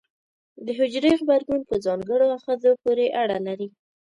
د حجرې غبرګون په ځانګړو آخذو پورې اړه لري.